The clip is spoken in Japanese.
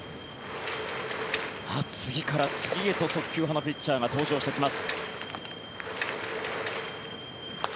次から次へと速球派のピッチャーが登場してきます。